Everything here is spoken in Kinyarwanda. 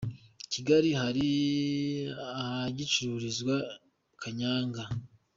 Kigali Hari ahagicururizwa kanyanga